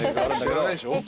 知らないでしょ？